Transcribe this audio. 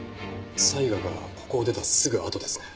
才賀がここを出たすぐあとですね。